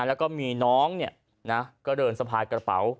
แล้วก็มีน้องก็เดินสะพายกระเป๋า